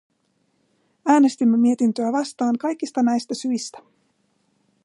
Äänestimme mietintöä vastaan kaikista näistä syistä.